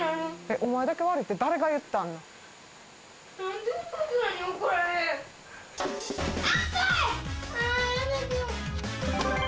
お前だけ悪いって誰が言った疲れた！